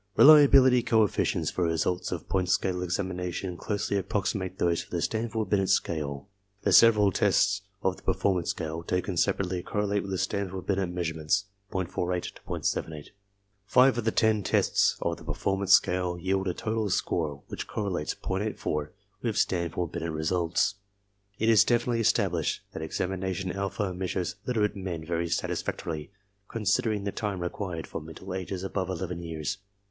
Reliability coefficients for results of point scale examination closely approximate those for the Stanford Binet scale. The several tests of the performance scale, taken separately, correlate with Stanford Binet measurements, .48 to .78. Five ^ of the ten tests of the performance scale yield a total score I which correlates .84 with Stanford Binet results. It is definitely established that examination alpha measures literate men very satisfactorily, considering the time required, for mental ages above eleven years.